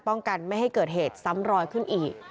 กันไม่ให้เกิดเหตุซ้ำรอยขึ้นอีก